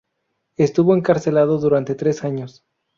Estuvo encarcelado durante tres años.